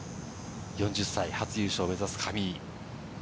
４０歳、初優勝を目指す上井。